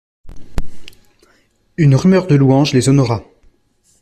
Une rumeur de louanges les honora.